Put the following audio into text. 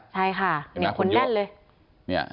ใช่ค่ะคนแน่นเลย